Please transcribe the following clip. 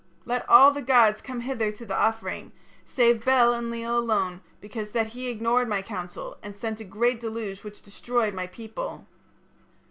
Let all the gods come hither to the offering, save Bel (Enlil) alone, because that he ignored my counsel, and sent a great deluge which destroyed my people.'